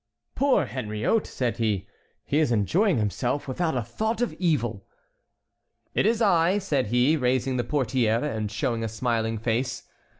"Poor Henriot!" said he, "he is enjoying himself without a thought of evil." "It is I," said he, raising the portière and showing a smiling face.